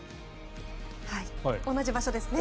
同じ場所ですね。